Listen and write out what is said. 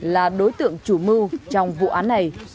là đối tượng chủ mưu trong vụ án này